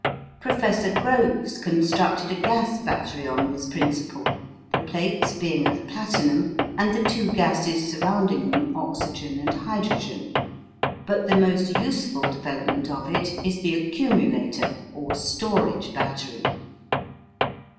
Professor Groves constructed a gas battery on this principle, the plates being of platinum and the two gases surrounding them oxygen and hydrogen, but the most useful development of it is the accumulator or storage battery.